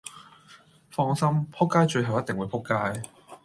放心！仆街最後一定會仆街